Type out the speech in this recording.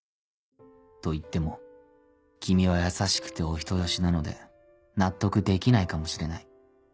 といっても君は優しくてお人好しなので納得できないかもしれない。